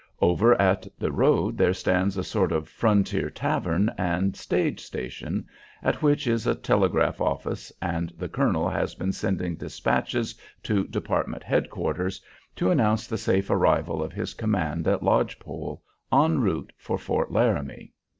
Over at the road there stands a sort of frontier tavern and stage station, at which is a telegraph office, and the colonel has been sending despatches to Department Head Quarters to announce the safe arrival of his command at Lodge Pole en route for Fort Laramie.